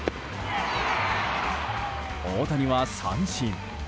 大谷は三振。